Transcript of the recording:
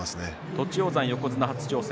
栃煌山、横綱初挑戦